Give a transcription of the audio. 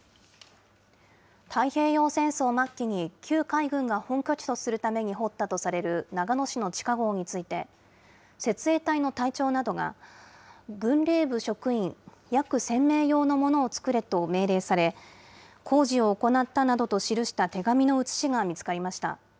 太平洋戦争末期に、旧海軍が本拠地とするために掘ったとされる長野市の地下ごうについて、設営隊の隊長などが、軍令部職員約千名用のものを作れと命令され、工事を行ったなどと記した手紙の写しが見つかりました。